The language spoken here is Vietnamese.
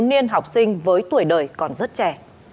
niên học sinh với tuổi đời còn rất trẻ